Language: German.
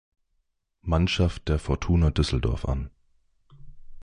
Mannschaft der Fortuna Düsseldorf an.